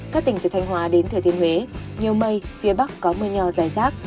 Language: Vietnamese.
các tỉnh từ thanh hóa đến thời thiên huế nhiều mây phía bắc có mưa nhỏ rải rác